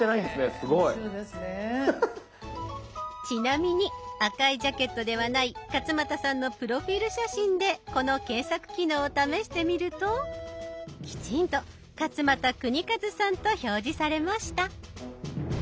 ちなみに赤いジャケットではない勝俣さんのプロフィール写真でこの検索機能を試してみるときちんと「勝俣州和」さんと表示されました。